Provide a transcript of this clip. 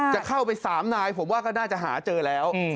จะเข้าไป๓นายผมว่าก็น่าจะหาเจอแล้ว